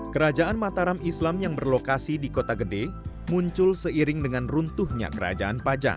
kerajaan mataram islam yang berlokasi di kota gede muncul seiring dengan runtuhnya kerajaan pajang